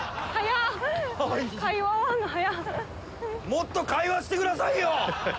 もっと会話してくださいよ！